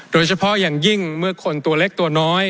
โดยเฉพาะอย่างยิ่งเมื่อคนตัวเล็กตัวน้อย